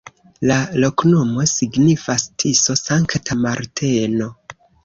La loknomo signifas: Tiso-Sankta Marteno.